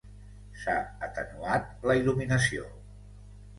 S'ha atenuat la il·luminació.